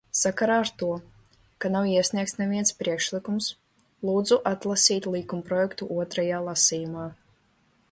Sakarā ar to, ka nav iesniegts neviens priekšlikums, lūdzu atbalstīt likumprojektu otrajā lasījumā.